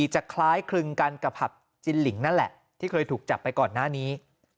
จะคล้ายคลึงกันกับผับจินหลิงนั่นแหละที่เคยถูกจับไปก่อนหน้านี้